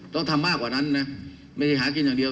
ต้องทำมากกว่านั้นนะไม่ได้หากินอย่างเดียว